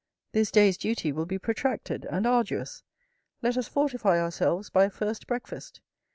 This day's duty will be protracted and arduous. Let us fortify ourselves by a first breakfast.